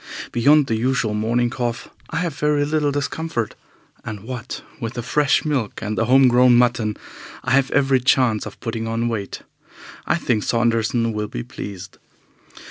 Beyond the usual morning cough I have very little discomfort, and, what with the fresh milk and the home grown mutton, I have every chance of putting on weight. I think Saunderson will be pleased.